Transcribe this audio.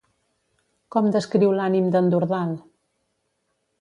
Com descriu l'ànim d'en Dordal?